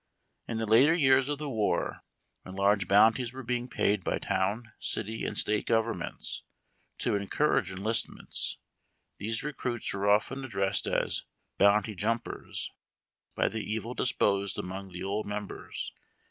In the later years of the war, when large bounties were being paid by town, city, and State governments, to encour age enlistments, these recruits were often addressed as " bounty jumpers " by the evil disposed among the old members.